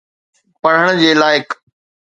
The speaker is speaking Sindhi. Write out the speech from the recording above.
پڙهڻ جي لائق.